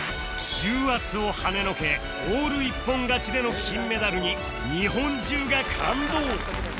重圧をはねのけオール一本勝ちでの金メダルに日本中が感動